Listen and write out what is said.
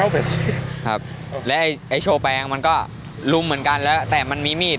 อ่าแล้วไอโชแปงมันก็ลุมเหมือนกันแล้วแต่มันมีมีด